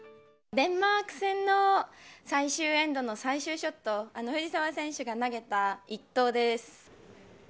デンマーク戦の最終エンドの最終ショット、藤澤選手が投げた一投です。